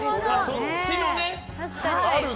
そっちのね。